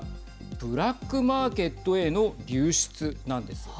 ブラックマーケットへの流出なんです。